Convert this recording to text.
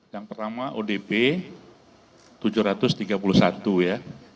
yang pertama odp tujuh ratus tiga puluh satu ya